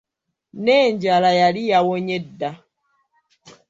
N'enjala yali yawonye dda.